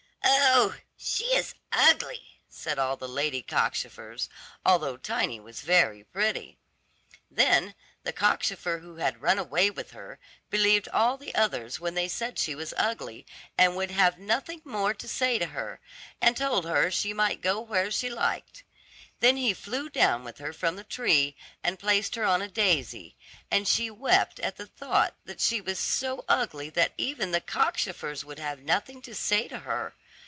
"Oh! she is ugly," said all the lady cockchafers, although Tiny was very pretty. Then the cockchafer who had run away with her, believed all the others when they said she was ugly, and would have nothing more to say to her, and told her she might go where she liked. Then he flew down with her from the tree, and placed her on a daisy, and she wept at the thought that she was so ugly that even the cockchafers would have nothing to say to her.